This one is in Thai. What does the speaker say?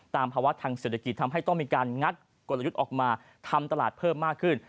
ภาวะทางเศรษฐกิจทำให้ต้องมีการงัดกลยุทธ์ออกมาทำตลาดเพิ่มมากขึ้น